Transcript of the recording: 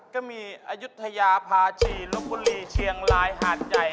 ก็มีอายุทยาพาชีลบบุรีเชียงรายหาดใหญ่